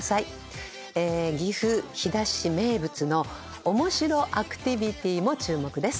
岐阜飛騨市名物の面白アクティビティーも注目です。